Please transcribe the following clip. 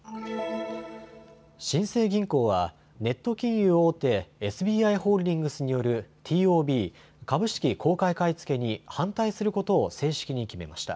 新生銀行はネット金融大手、ＳＢＩホールディングスによるＴＯＢ・株式公開買い付けに反対することを正式に決めました。